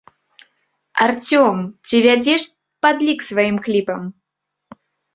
Арцём, ці вядзеш падлік сваім кліпам?